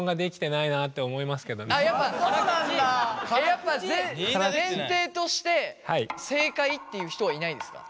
やっぱ前提として正解っていう人はいないですか？